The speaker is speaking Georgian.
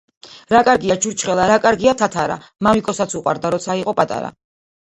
რა კარგია ჩურჩხელა რა კარგია თათარა მამიკოსაც უყვარდა როცა იყო პატარა.